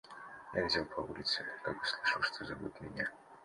Я летел по улице, как услышал, что зовут меня.